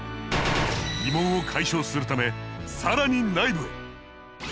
疑問を解消するため更に内部へ！